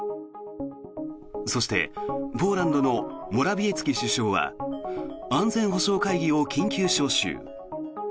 そして、ポーランドのモラビエツキ首相は安全保障会議を緊急招集。